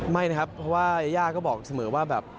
ไม่นะครับเพราะว่าย่าก็บอกเสมอว่าแบบ